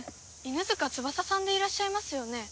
犬塚翼さんでいらっしゃいますよね？